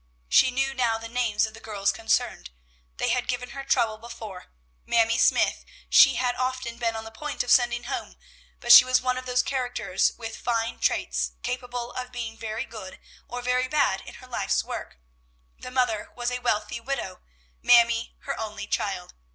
She knew now the names of the girls concerned: they had given her trouble before. Mamie Smythe she had often been on the point of sending home, but she was one of those characters with fine traits, capable of being very good or very bad in her life's work. The mother was a wealthy widow, Mamie her only child.